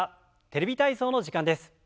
「テレビ体操」の時間です。